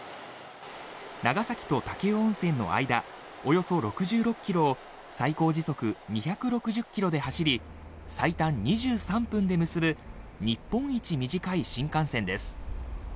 長崎と武雄温泉の間およそ６６ｋｍを最高時速２６０ｋｍで走り最短２３分で結ぶ日本一短い新幹線です。